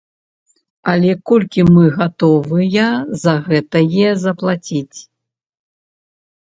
Але колькі мы гатовыя за гэтае заплаціць?